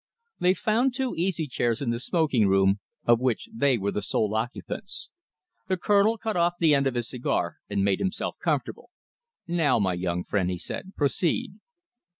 They found two easy chairs in the smoking room, of which they were the sole occupants. The Colonel cut off the end of his cigar and made himself comfortable. "Now, my young friend," he said, "proceed."